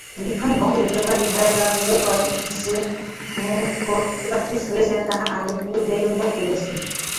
লিখনভঙ্গীতে তোমার হৃদয়োদ্বেগকর যে মুমুক্ষুত্ব প্রকটিত হইয়াছে, তাহা আমি পূর্বেই অনুভব করিয়াছি।